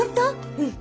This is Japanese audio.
うん。